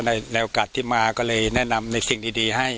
ในโอกาสที่มาก็เลยแนะนำในสิ่งดีให้